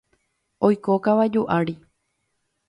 Oiko kavaju ári.